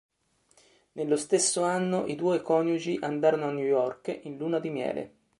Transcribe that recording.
Nello stesso anno i due coniugi andarono a New York in luna di miele.